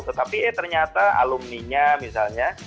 tetapi eh ternyata alumninya misalnya